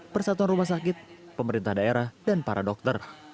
persatuan rumah sakit pemerintah daerah dan para dokter